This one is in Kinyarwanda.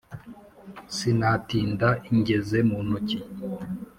sinatinda ingeze mu ntoki